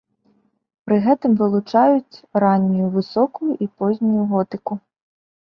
Пры гэтым вылучаюць раннюю, высокую і познюю готыку.